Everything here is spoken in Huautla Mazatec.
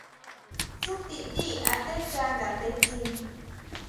Tsutindí atecha ngandetsin.